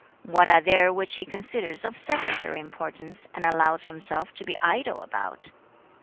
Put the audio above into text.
what are there which he considers of secondary importance, and allows himself to be idle about?